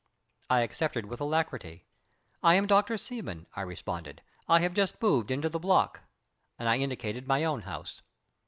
I accepted with alacrity. "I am Dr. Seaman," I responded. "I have just moved into the block." And I indicated my own home.